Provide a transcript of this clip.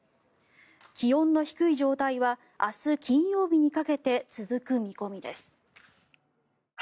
気温の低い状態は明日金曜日にかけて続く見込みです。